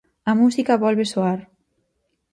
A música volve soar.